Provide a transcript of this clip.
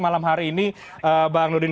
malam hari ini